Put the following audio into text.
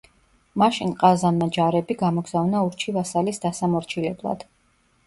მაშინ ყაზანმა ჯარები გამოგზავნა ურჩი ვასალის დასამორჩილებლად.